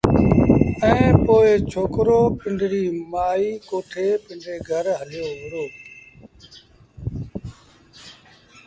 ائيٚݩ پو ڇوڪرو پنڊريٚ مآئيٚ ڪوٺي پنڊري گھر هليو وهُڙو